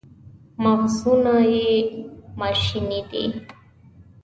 مغزونه یې ماشیني دي.